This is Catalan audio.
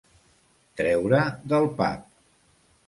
Treure del pap.